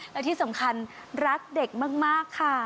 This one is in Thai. และที่สำคัญรักเด็กมากค่ะ